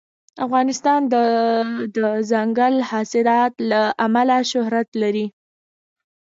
افغانستان د دځنګل حاصلات له امله شهرت لري.